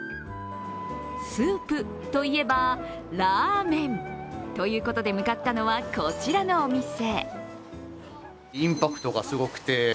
スープといえばラーメンということで向かったのは、こちらのお店。